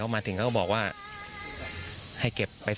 โป่งแร่ตำบลพฤศจิตภัณฑ์